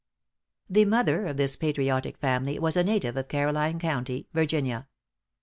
The mother of this patriotic family was a native of Caroline County, Virginia.